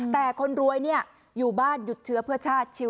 แต่คนรวยอยู่บ้านหยุดเชื้อเพื่อชาติ